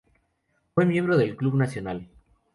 Fue miembro del Club Nacional.